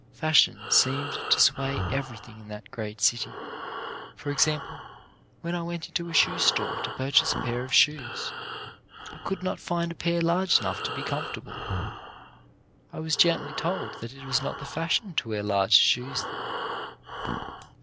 Fashion seemed to sway everything in that great city ; for example, when I went into a shoe store to purchase a pair of shoes, I could not find a pair large enough to be comfortable. I was gently told that it was not the fashion to wear large shoes there.